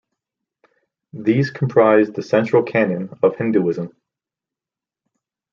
These comprise the central canon of Hinduism.